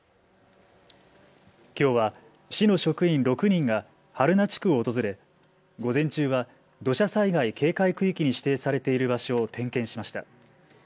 きょうは市の職員６人が榛名地区を訪れ午前中は土砂災害警戒区域に指定されている場所を点検しました。